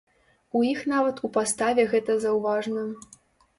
У іх нават у паставе гэта заўважна.